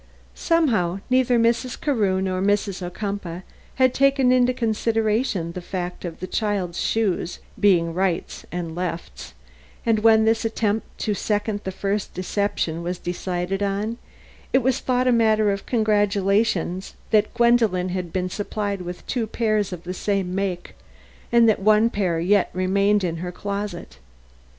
Somehow, neither Mrs. Carew nor Mrs. Ocumpaugh had taken into consideration the fact of the child's shoes being rights and lefts, and when this attempt to second the first deception was decided on, it was thought a matter of congratulation that Gwendolen had been supplied with two pairs of the same make and that one pair yet remained in her closet.